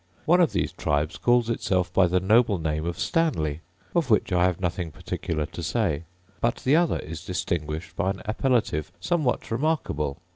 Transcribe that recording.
One of these tribes calls itself by the noble name of Stanley, of which I have nothing particular to say; but the other is distinguished by an appellative somewhat remarkable.